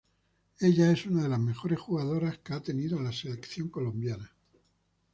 Ella es una de las mejores jugadoras que ha tenido la selección Colombia.